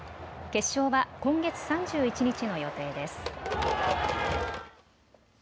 決勝は今月３１日の予定です。